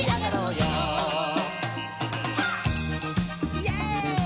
イエイ！